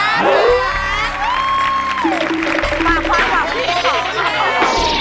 ป๋าขวางป๋าขวาง